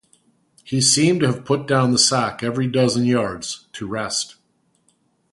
He seemed to have put down the sack every dozen yards, to rest.